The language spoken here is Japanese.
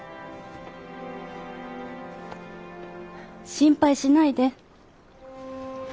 心配しないで。